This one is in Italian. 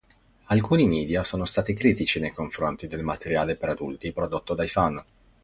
Alcuni media sono stati critici nei confronti del materiale per adulti prodotto dai fan.